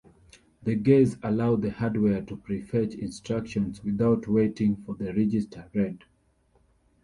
The guess allows the hardware to prefetch instructions without waiting for the register read.